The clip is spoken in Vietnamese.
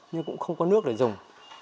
nhưng cũng không có nước để dùng